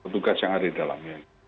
petugas yang ada di dalamnya